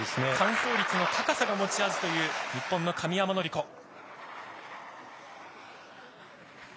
完走率の高さが持ち味という日本の神山則子。